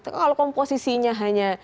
kalau komposisinya hanya